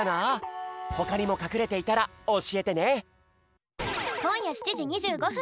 ほかにもかくれていたらおしえてね「夜も」。